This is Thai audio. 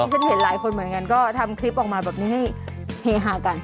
ฉันเห็นหลายคนเหมือนกันก็ทำคลิปออกมาแบบนี้ให้เฮฮากัน